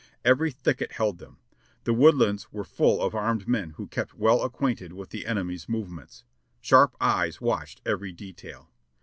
Every thicket held them ; the woodlands were full of armed men who kept well acquainted with the enemy's movements. Sharp eyes watched every detail.